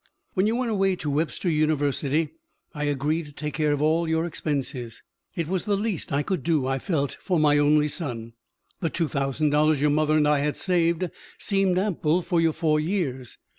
When you went away to Webster University, I agreed to take care of all your expenses. It was the least I could do, I felt, for my only son. The two thousand dollars your mother and I had saved seemed ample for your four years.